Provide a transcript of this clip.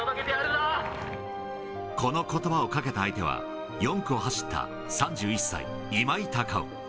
このことばをかけた相手は、４区を走った３１歳、今井隆生。